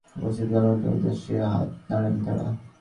উপস্থিত গণমাধ্যমকর্মীদের উদ্দেশে হাত নাড়েন তাঁরা।